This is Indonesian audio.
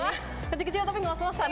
wah kecil kecil tapi ngos ngosan